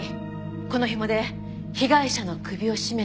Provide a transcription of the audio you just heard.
この紐で被害者の首を絞めたのは荒木田ね。